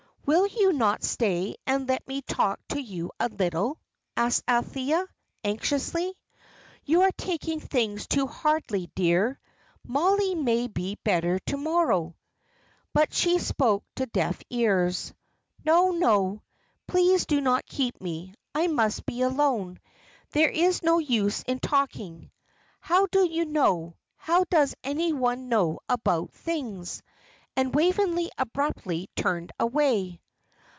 "Will you not stay and let me talk to you a little?" asked Althea, anxiously. "You are taking things too hardly, dear. Mollie may be better to morrow." But she spoke to deaf ears. "No, no. Please do not keep me. I must be alone. There is no use in talking. How do you know, how does any one know about things?" and Waveney abruptly turned away.